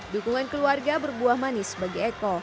dukungan keluarga berbuah manis bagi eko